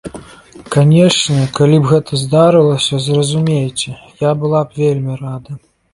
Канешне, калі б гэта здарылася, зразумейце, я была б вельмі рада.